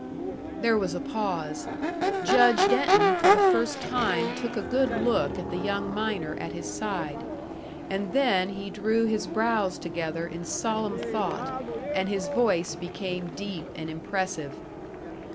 There was a pause. Judge Denton for the first time took a good look at the young miner at his side; and then he drew his brows together in solemn thought, and his voice became deep and impressive.